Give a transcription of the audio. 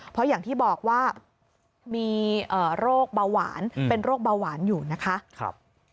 เพราะอย่างที่บอกว่ามีโรคเบาหวานเป็นโรคเบาหวานอยู่นะคะ